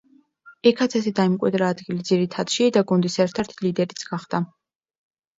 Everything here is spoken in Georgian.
იქაც ასე დაიმკვიდრა ადგილი ძირითადში და გუნდის ერთ-ერთი ლიდერიც გახდა.